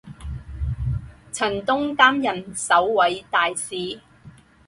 陈东担任首位大使。